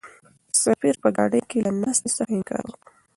سفیر په ګاډۍ کې له ناستې څخه انکار وکړ.